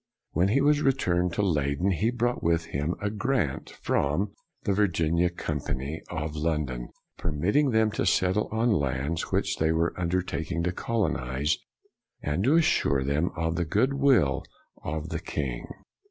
When he re turned to Leyden, he brought with him a grant from the Virginia Company of Lon don, permitting them to settle on lands which they were undertaking to colonize, and assuring them of the good will of the king.